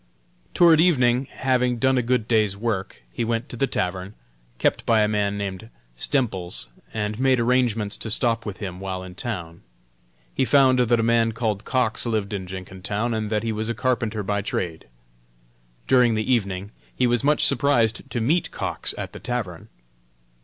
Toward evening, having done a good day's work, he went to the tavern, kept by a man named Stemples, and made arrangements to stop with him while in town. He found that a man named Cox lived in Jenkintown, and that he was a carpenter by trade. During the evening he was much surprised to meet Cox at the tavern.